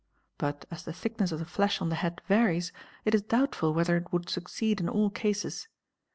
But as the thickness of the flesh on the head varies, it is doubtful whether it would succeed in all cases.